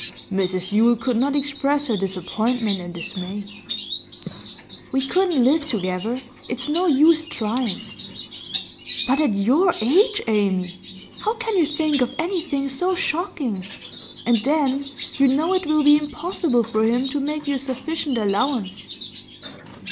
Mrs Yule could not express her disappointment and dismay. 'We couldn't live together; it's no use trying.' 'But at your age, Amy! How can you think of anything so shocking? And then, you know it will be impossible for him to make you a sufficient allowance.